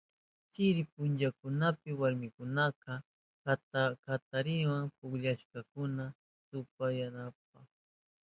Chiri punchakunapi warmikunaka katarinawa pillurirkakuna rupayanankunapa.